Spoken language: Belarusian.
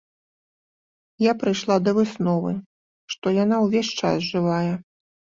Я прыйшла да высновы, што яна ўвесь час жывая.